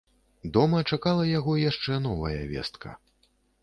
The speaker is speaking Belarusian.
Дома чакала яго яшчэ новая вестка.